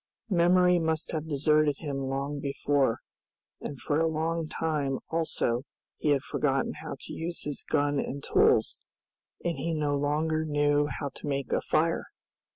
Memory must have deserted him long before, and for a long time also he had forgotten how to use his gun and tools, and he no longer knew how to make a fire!